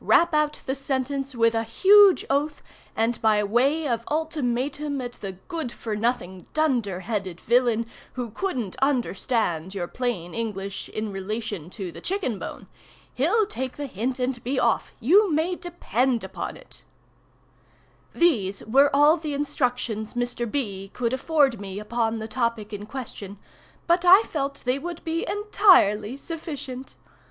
Rap out the sentence, with a huge oath, and by way of ultimatum at the good for nothing dunder headed villain who couldn't understand your plain English in relation to the chicken bone. He'll take the hint and be off, you may depend upon it." These were all the instructions Mr. B. could afford me upon the topic in question, but I felt they would be entirely sufficient.